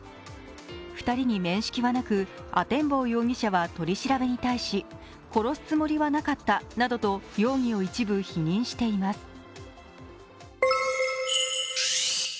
２人に面識はなく、阿天坊容疑者は取り調べに対し殺すつもりはなかったなどと容疑を一部否認しています。